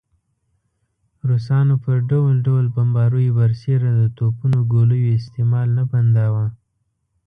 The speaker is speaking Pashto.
روسانو پر ډول ډول بمباریو برسېره د توپونو ګولیو استعمال نه بنداوه.